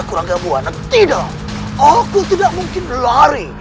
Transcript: kalian bukan milik ibu nda lagi